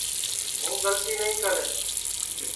ہُوں گلتی نائی کرے